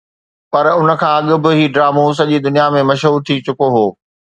پر ان کان اڳ به هي ڊرامو سڄي دنيا ۾ مشهور ٿي چڪو هو